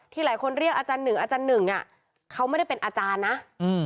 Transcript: หลายคนเรียกอาจารย์หนึ่งอาจารย์หนึ่งอ่ะเขาไม่ได้เป็นอาจารย์นะอืม